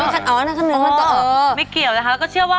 คันเนื้อคันตัวได้เดี๋ยวก็สบายตัวได้เหมือนกัน